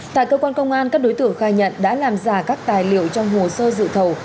tại cơ quan công an các đối tượng khai nhận đã làm giả các tài liệu trong hồ sơ dự thầu